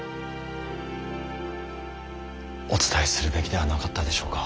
お伝えするべきではなかったでしょうか。